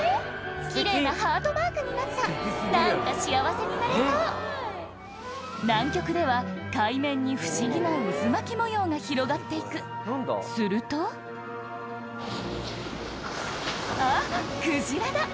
奇麗なハートマークになった何か幸せになれそう南極では海面に不思議な渦巻き模様が広がって行くするとあっクジラだ